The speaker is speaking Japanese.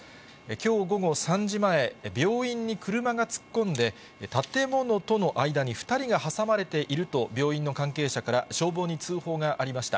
きょう午後３時前、病院に車が突っ込んで、建物との間に２人が挟まれていると、病院の関係者から消防に通報がありました。